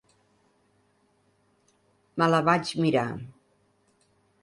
Me la vaig mirar.